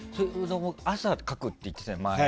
朝書くって言ってたよね、前。